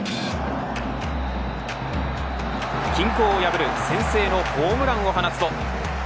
均衡を破る先制のホームランを放つと。